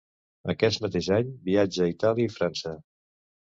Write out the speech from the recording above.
Aquest mateix any viatja a Itàlia i França.